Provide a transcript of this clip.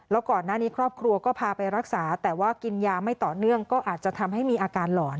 แล้วก่อนหน้านี้ครอบครัวก็พาไปรักษาแต่ว่ากินยาไม่ต่อเนื่องก็อาจจะทำให้มีอาการหลอน